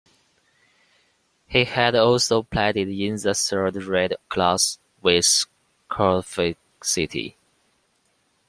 He had also played in the third round clash with Cardiff City.